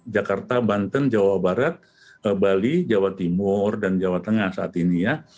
jakarta banten jawa barat bali jawa timur dan jawa tengah saat ini ya